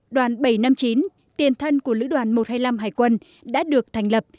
đoàn bảy trăm năm mươi chín tiền thân của lữ đoàn một trăm hai mươi năm hải quân đã được thành lập